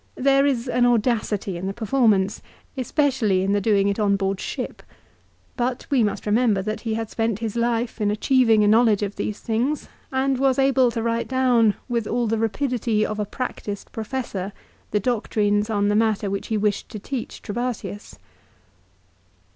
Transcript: There is an audacity in the performance, especially in the doing it on board ship ; but we must remember that he had spent his life in achieving a knowledge of these things, and was able to write down with all the rapidity of a practised professor the doctrines on the matter which he wished to teach Trebatius.